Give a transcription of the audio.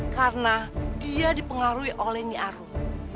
karena dia dipengaruhi oleh nyi arum